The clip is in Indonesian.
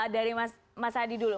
dari mas adi dulu